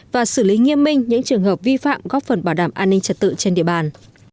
và xử lý nghiêm minh những trường hợp vi phạm góp phần bảo đảm an ninh trật tự trên địa bàn